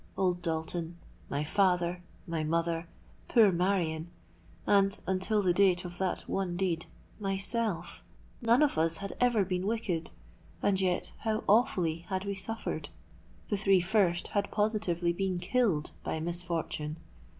Old Dalton—my father—my mother—poor Marion—and, until the date of that one deed, myself,—none of us had ever been wicked—and yet, how awfully had we suffered. The three first had positively been killed by misfortune.